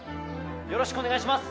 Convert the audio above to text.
よろしくお願いします